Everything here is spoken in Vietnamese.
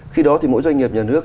khi đó thì mỗi doanh nghiệp nhà nước